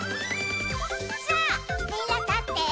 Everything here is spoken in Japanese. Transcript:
さあみんな立って。